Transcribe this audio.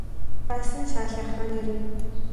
Къэсынщ а лъэхъэнэри!